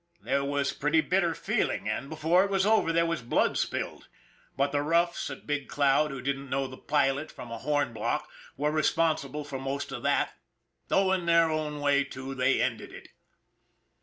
There was pretty bitter feeling; and before it was over there was blood spilled. But the roughs at Big Cloud, who didn't know the pilot from a horn block, were responsible for the most of that, though, in their own way, too, they ended it.